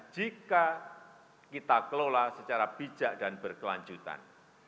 jika kita kelola secara bijak dan berkelanjutan